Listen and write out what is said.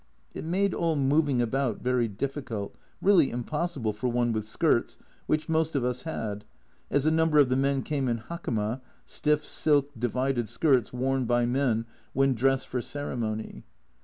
It made all moving about very difficult, really impossible for one with skirts, which most of us had, as a number of the men came in hakama (stiff silk divided skirts worn by men when dressed for A Journal from Japan 235 ceremony).